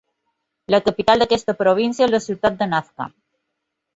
La capital d'aquesta província és la ciutat de Nazca.